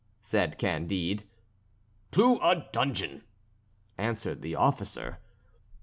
said Candide. "To a dungeon," answered the officer.